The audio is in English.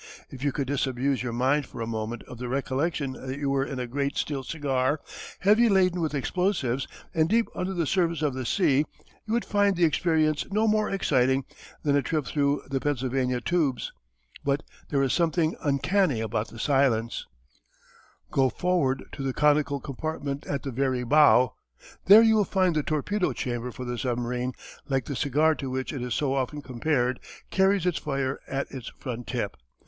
If you could disabuse your mind for a moment of the recollection that you were in a great steel cigar heavy laden with explosives, and deep under the surface of the sea you would find the experience no more exciting than a trip through the Pennsylvania tubes. But there is something uncanny about the silence. [Illustration: Permission of Scientific American. A Torpedo Designed by Fulton.] Go forward to the conical compartment at the very bow. There you will find the torpedo chamber for the submarine, like the cigar to which it is so often compared, carries its fire at its front tip.